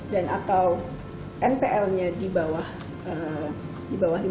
dan atau npl nya di bawah lima